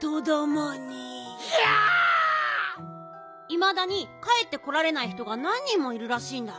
いまだにかえってこられない人がなん人もいるらしいんだ。